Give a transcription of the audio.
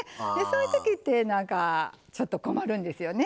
そういうときってなんかちょっと困るんですよね。